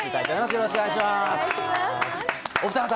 よろしくお願いします。